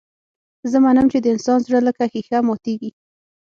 زه منم چې د انسان زړه لکه ښيښه ماتېږي.